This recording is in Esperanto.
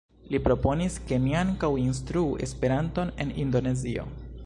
Li proponis ke mi ankaŭ instruu Esperanton en Indonezio.